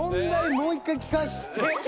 もう１回聞かして。